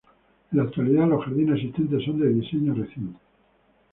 En la actualidad los jardines existentes son de diseño reciente.